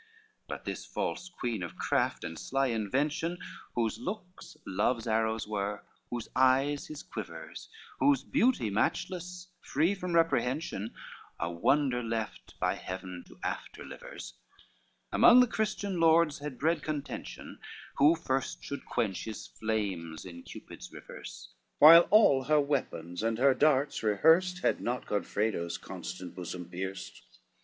LXI But this false queen of craft and sly invention,— Whose looks, love's arrows were; whose eyes his quivers; Whose beauty matchless, free from reprehension, A wonder left by Heaven to after livers,— Among the Christian lord had bred contention Who first should quench his flames in Cupid's rivers, While all her weapons and her darts rehearsed, Had not Godfredo's constant bosom pierced.